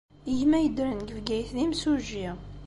Gma yeddren deg Bgayet d imsujji.